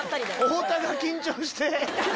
太田が緊張して。